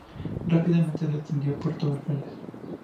Rápidamente se extendió por todo el país.